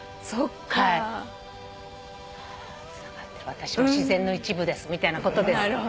私は自然の一部ですみたいなことですよ。